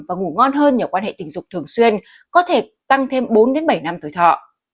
và ngủ ngon hơn nhờ quan hệ tình dục thường xuyên có thể tăng thêm bốn bảy năm tuổi thọ